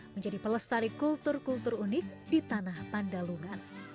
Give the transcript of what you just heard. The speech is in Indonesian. menjadi pelestari kultur kultur unik di tanah pandalungan